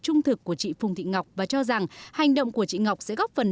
trung thực của chị phùng thị ngọc và cho rằng hành động của chị ngọc sẽ góp phần